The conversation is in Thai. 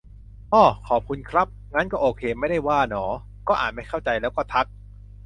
อ้อ ขอบคุณครับ งั้นก็โอเค ไม่ได้ว่าหนอ ก็อ่านไม่เข้าใจแล้วก็ทัก